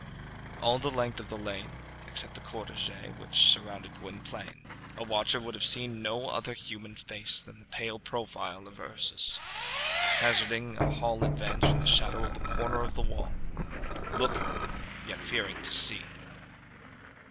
All the length of the lane, except the cortège which surrounded Gwynplaine, a watcher would have seen no other human face than the pale profile of Ursus, hazarding a hall advance from the shadow of the corner of the wall looking, yet fearing to see.